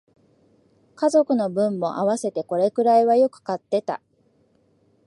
家族の分も合わせてこれくらいはよく買ってた